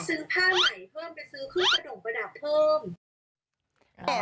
ซื้อขึ้นกระด่งประดับเพิ่ม